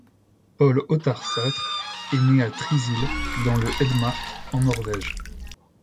Paul Ottar Sætre est né à Trysil, dans le Hedmark, en Norvège.